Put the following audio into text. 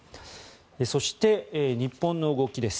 そして、日本の動きです。